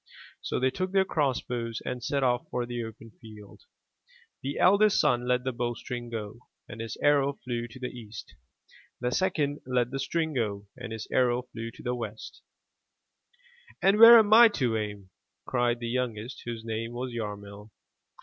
So they took their crossbows and set off for the open field. The eldest son let the bow string go, and his arrow flew to the East. The second let the string go, and his arrow flew to the West. 384 THROUGH FAIRY HALLS "And where am I to aim?" cried the youngest whose name was Yarmil.